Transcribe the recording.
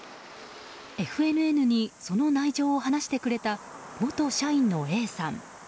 ＦＮＮにその内情を話してくれた元社員のＡさん。